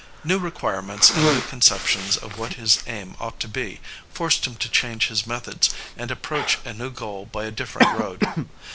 New requirements and new conceptions of what his aim ought to be, forced him to change his methods and approach a new goal by a different road.